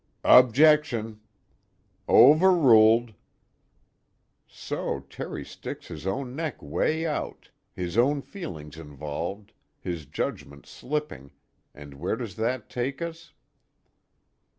"Objection!" "Overruled." _So Terry sticks his own neck way out, his own feelings involved, his judgment slipping, and where does that take us?